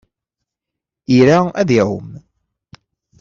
Ira ad iɛum.